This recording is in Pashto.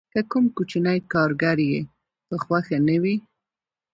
که کوم کوچنی کارګر یې په خوښه نه وي